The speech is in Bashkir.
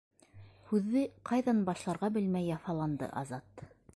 Һүҙҙе ҡайҙан башларға белмәй яфаланды Азат.